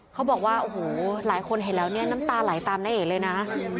เขาบอกว่าโอ้โหหลายคนเห็นแล้วเนี่ยน้ำตาไหลตามน้าเอกเลยนะ